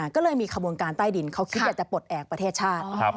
ก็เลยมีขบวนการใต้ดินเขาคิดอยากจะปลดแอบประเทศชาติ